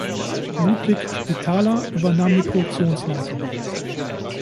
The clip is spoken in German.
Ludwig Spitaler übernahm die Produktionsleitung.